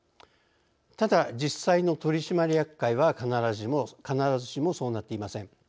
ただ、実際の取締役会は必ずしもそうなっていません。